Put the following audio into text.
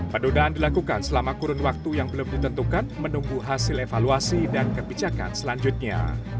penundaan dilakukan selama kurun waktu yang belum ditentukan menunggu hasil evaluasi dan kebijakan selanjutnya